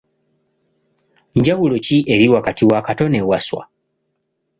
Njawulo ki eri wakati wa Kato ne Wasswa?